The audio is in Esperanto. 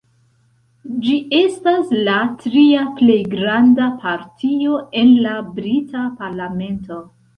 Ĝi estas la tria plej granda partio en la brita parlamento.